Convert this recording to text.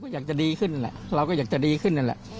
อยากจะดีขึ้นแหละเราก็อยากจะดีขึ้นนั่นแหละ